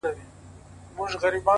• پخوانیو زمانو کي یو دهقان وو,